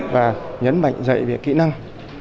và nhấn mạnh dạy về kỹ năng